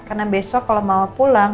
karena besok kalau mama pulang